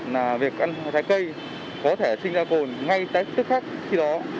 là việc ăn thái cây có thể sinh ra cồn ngay tại tức khắc khi đó